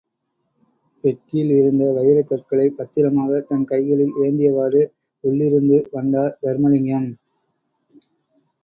பெட்டியில் இருந்த வைரக்கற்களைப் பத்திரமாக தன் கைகளில் ஏந்தியவாறு, உள்ளிருந்து வந்தார் தருமலிங்கம்.